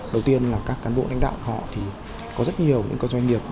đầu tiên các cán bộ lãnh đạo họ có rất nhiều doanh nghiệp